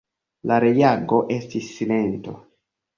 La reago estis silento.